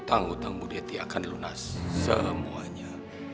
tanggutang bu dety akan dilunas semuanya